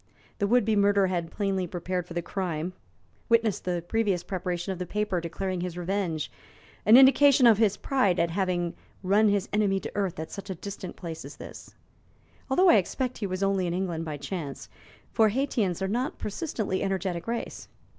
The would be murderer had plainly prepared for the crime: witness the previous preparation of the paper declaring his revenge, an indication of his pride at having run his enemy to earth at such a distant place as this although I expect he was only in England by chance, for Haytians are not a persistently energetic race.